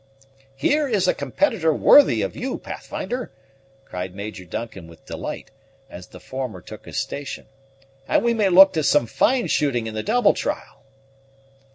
"Here is a competitor worthy of you, Pathfinder," cried Major Duncan with delight, as the former took his station; "and we may look to some fine shooting in the double trial."